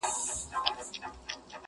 دا د افغان د لوی ټبر مېنه ده!